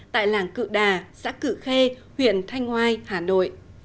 tại làng cử đà xã cử khê huyện thanh hoai hà nội